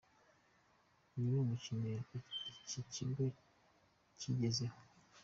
Uyu ni umuhigo iki kigo cyagezeho”.